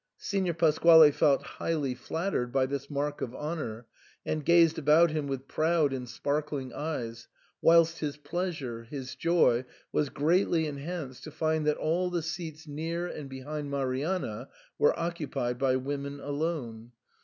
Signor Pasquale felt highly flattered by this mark of honour, and gazed about him with proud and sparkling eyes, whilst his pleasure, his joy, was greatly enhanced to find that all the seats near and behind Marianna were occupied by women alone.